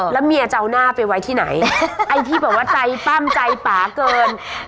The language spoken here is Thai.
แล้วเมียจะเอาหน้าไปไว้ที่ไหนไอ้ที่แบบว่าใจปั้มใจป่าเกิน